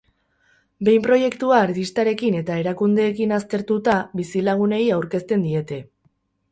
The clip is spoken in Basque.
Behin proiektua artistarekin eta erakundeekin aztertuta, bizilagunei aurkezten diete.